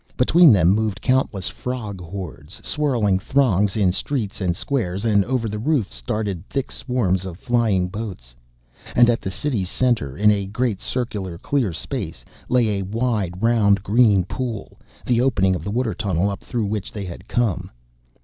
Between them moved countless frog hordes, swirling throngs in streets and squares, and over the roofs darted thick swarms of flying boats. And at the city's center, in a great, circular, clear space, lay a wide, round, green pool the opening of the water tunnel up through which they had come.